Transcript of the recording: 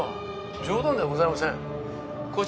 冗談ではございません。